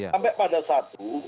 sampai pada saat itu